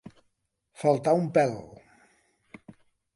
Faltar un pèl.